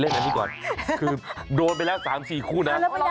อย่างนี้ก่อนคือโดนไปแล้ว๓๔คู่นะ